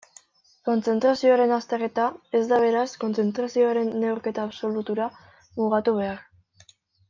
Kontzentrazioaren azterketa ez da beraz kontzentrazioaren neurketa absolutura mugatu behar.